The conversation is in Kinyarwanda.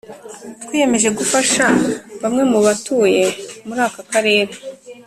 Twiyemeje gufasha bamwe mubatuye muri aka karere